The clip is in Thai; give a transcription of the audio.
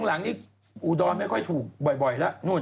หลังนี่อูดรไม่ค่อยถูกบ่อยแล้ว